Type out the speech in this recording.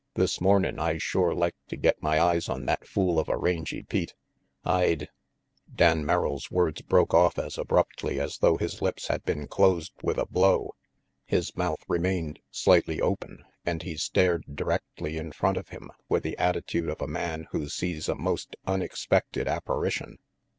This mornin' I'd shore like to get my eyes on that fool of a Rangy Pete. I'd " Dan Merrill's words broke off as abruptly as though his lips had been closed with a blow. His mouth remained slightly open, and he stared directly in front of him with the attitude of a man who sees a most unexpected apparition.